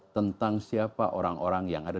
tentang siapa orang orang yang ada